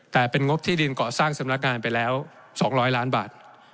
แต่เป็นงบที่ดินเกาะสร้างสำนักงานไปแล้ว๒๐๐ล้านบาท